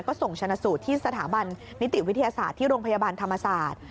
ก็ส่งชนะสูตรที่สถาบันนิติวิทยาศาสตร์ที่โรงพยาบาลธรรมศาสตร์